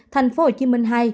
thành phố hồ chí minh hai